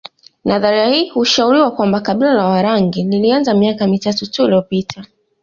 Nadharia hii hushauri kwamba kabila la Warangi lilianza miaka mia tatu tu iliyopita